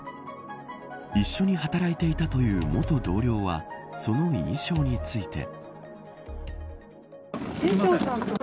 一緒に働いていたという元同僚はその印象について。